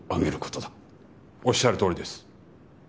おっしゃるとおりです。